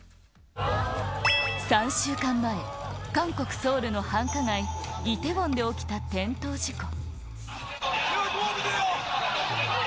３週間前、韓国・ソウルの繁華街、イテウォンで起きた転倒事故。